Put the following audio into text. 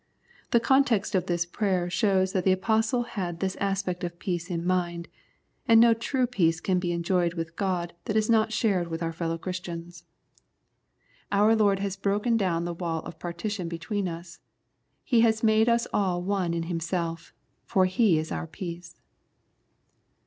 The context of this prayer shows that the Apostle had this aspect of peace in mind, and no true peace can be enjoyed with God that is not shared with our fellow Christians. 51 The Prayers of St. Paul Our Lord has broken down the wall of partition between us ; He has made us all one in Himself, for He is our peace.